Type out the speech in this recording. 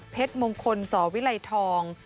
เพชรมงคลสวิรัยทอง